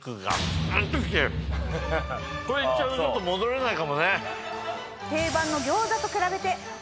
これいっちゃうとちょっと戻れないかもね。